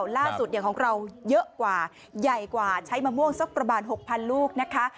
ล่าสุดของเราเยอะกว่าใหญ่กว่าใช้มะม่วงสักประมาณ๖๐๐ลูกนะคะ